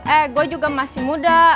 eh gue juga masih muda